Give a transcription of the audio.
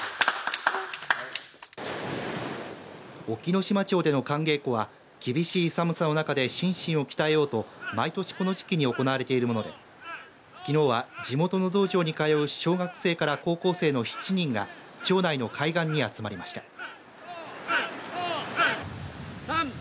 隠岐の島町での寒稽古は厳しい寒さの中で心身を鍛えようと毎年この時期に行われているものできのうは、地元の道場に通う小学生から高校生の７人が町内の海岸に集まりました。